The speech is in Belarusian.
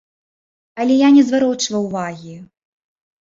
Але я не зварочваў ўвагі.